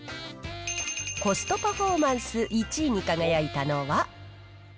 コストパフォーマンス１位に輝いたのは。